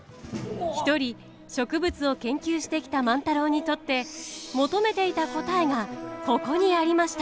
一人植物を研究してきた万太郎にとって求めていた答えがここにありました。